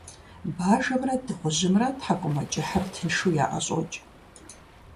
Бажэмрэ дыгъужьымрэ тхьэкIумэкIыхьыр тыншу яIэщIокI.